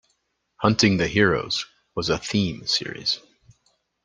"Hunting the Heroes" was a "theme" series.